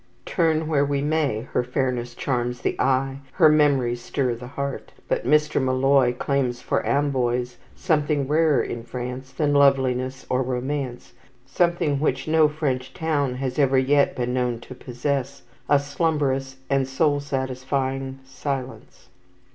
Turn where we may, her fairness charms the eye, her memories stir the heart. But Mr. Molloy claims for Amboise something rarer in France than loveliness or romance, something which no French town has ever yet been known to possess, a slumberous and soul satisfying silence.